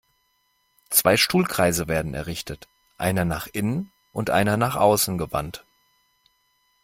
Zwei Stuhlkreise werden errichtet, einer nach innen und einer nach außen gewandt.